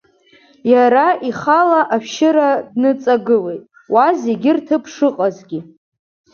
Иара ихала ашәшьыра дныҵагылеит, уа зегьы рҭыԥ шыҟазгьы.